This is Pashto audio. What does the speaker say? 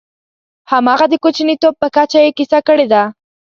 همغه د کوچنیتوب په کچه یې کیسه کړې ده.